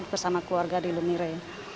bersama keluarga di lumire